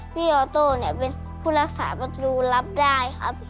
พี่ออโต้เนี่ยเป็นผู้รักษาประตูรับได้ครับ